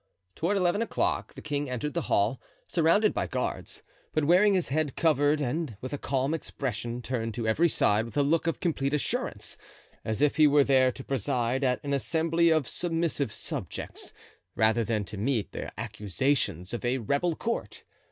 Toward eleven o'clock the king entered the hall, surrounded by guards, but wearing his head covered, and with a calm expression turned to every side with a look of complete assurance, as if he were there to preside at an assembly of submissive subjects, rather than to meet the accusations of a rebel court.